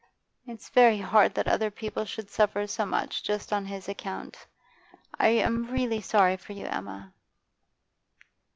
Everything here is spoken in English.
It's very hard that other people should suffer so much just on his account. I am really sorry for you, Emma.